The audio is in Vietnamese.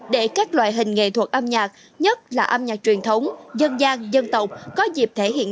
để các loại hình nghệ thuật âm nhạc nhất là âm nhạc truyền thống dân gian dân tộc có dịp thể hiện